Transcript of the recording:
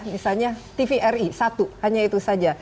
misalnya tvri satu hanya itu saja